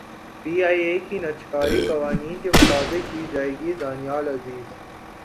P I A کی نجکاری قوانین کے مطابق کی جائے گی دانیال عزیز